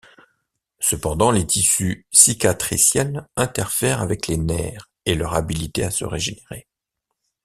Cependant, les tissus cicatriciels interfèrent avec les nerfs et leur habilité à se regénérer.